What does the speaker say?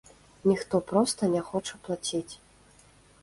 Ніхто проста не хоча плаціць.